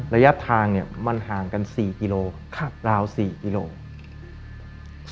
ระยะทางมันห่างกัน๔กิโลราว๔กิโลกรัม